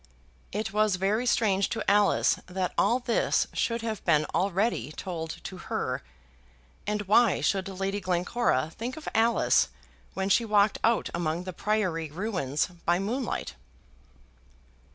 It was very strange to Alice that all this should have been already told to her. And why should Lady Glencora think of Alice when she walked out among the priory ruins by moonlight?